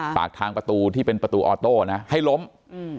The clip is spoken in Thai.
ปากทางประตูที่เป็นประตูออโต้นะให้ล้มอืม